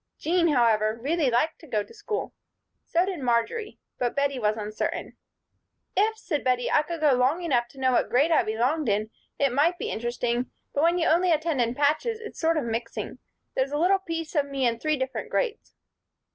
Jean, however, really liked to go to school. So did Marjory, but Bettie was uncertain. "If," said Bettie, "I could go long enough to know what grade I belonged in it might be interesting; but when you only attend in patches it's sort of mixing. There's a little piece of me in three different grades."